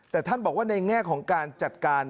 แต่ท่านบอกว่าในแง่ของการจัดการ